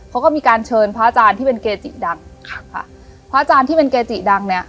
เขาก็มีการเชิญพระอาจารย์ที่เป็นเกจิดังค่ะพระอาจารย์ที่เป็นเกจิดังเนี้ย